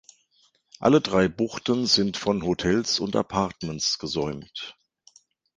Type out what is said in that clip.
Alle drei Buchten sind von Hotels und Apartments gesäumt.